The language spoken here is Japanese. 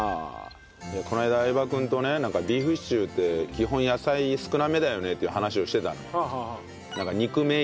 この間相葉君とねビーフシチューって基本野菜少なめだよねっていう話をしてたのよ。